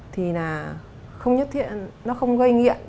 thì là không nhất thiện nó không gây nghiện